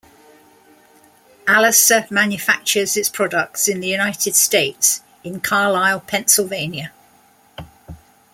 Alacer manufactures its products in the United States, in Carlisle, Pennsylvania.